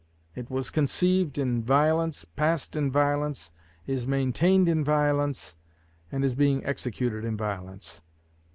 It was conceived in violence, passed in violence, is maintained in violence, and is being executed in violence.